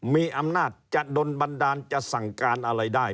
มีอำนาจจะโดนบันดาลจะสั่งการอะไรได้